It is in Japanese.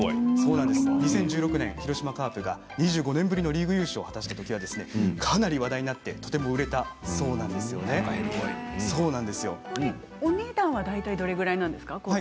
２０１９年広島カープが２５年ぶりのリーグ優勝を果たした際、かなり話題になってお値段はどのぐらいなんですか？